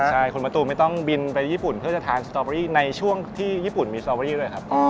ใช่คุณประตูไม่ต้องบินไปญี่ปุ่นเพื่อจะทานสตอเบอรี่ในช่วงที่ญี่ปุ่นมีสตอรี่ด้วยครับ